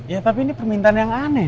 ya tapi ini permintaan yang aneh